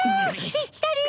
ぴったりよ。